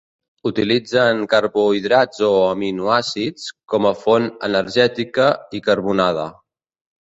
Utilitzen carbohidrats o aminoàcids com a font energètica i carbonada.